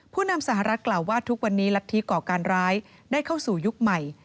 ผู้นำสหรัฐกล่าวว่าทุกวันนี้รัฐธิก่อการร้ายได้เข้าสู่ยุคใหม่